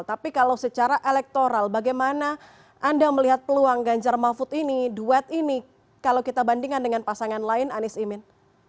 tapi kalau secara elektoral bagaimana anda melihat peluang ganjar mahfud ini duet ini kalau kita bandingkan dengan pasangan lain anies imin